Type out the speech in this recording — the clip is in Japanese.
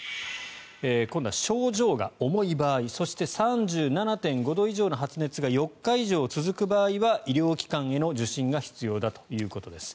今度は症状が重い場合そして３７．５度以上の発熱が４日以上続く場合は医療機関への受診が必要だということです。